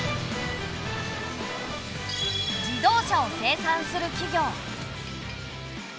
自動車を生産する企業。